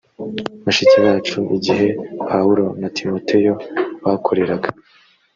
bashiki bacu igihe pawulo na timoteyo bakoreraga